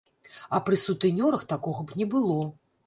А пры сутэнёрах такога б не было.